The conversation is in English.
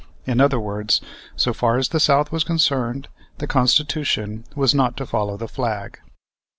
In other words, so far as the South was concerned, the Constitution was not to follow the flag.